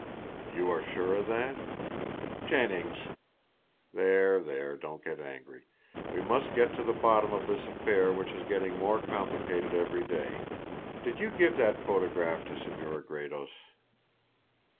"You are sure of that?" "Jennings" "There there, don't get angry. We must get to the bottom of this affair which is getting more complicated every day. Did you give that photograph to Senora Gredos?"